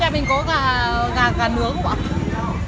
mình có gà nướng không ạ